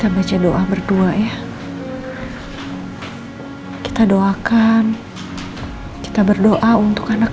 sebentar ya sayang